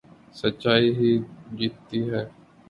سچائی ہی جیتتی ہے